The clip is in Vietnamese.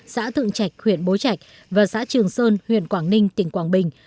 xã thượng trạch huyện bố trạch và xã trường sơn huyện quảng ninh tỉnh quảng bình